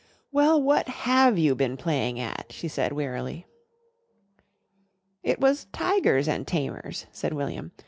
"Well, what have you been playing at?" she said wearily. "It was 'Tigers an' Tamers.'" said William.